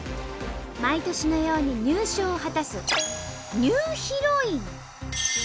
毎年のように入賞を果たすニューヒロイン。